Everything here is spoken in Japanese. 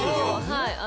はい。